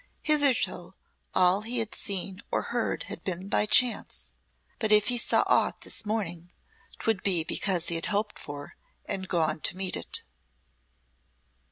Hitherto all he had seen or heard had been by chance, but if he saw aught this morning 'twould be because he had hoped for and gone to meet it.